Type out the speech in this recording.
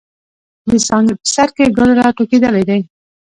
د څانګې په سر کښې ګل را ټوكېدلے دے۔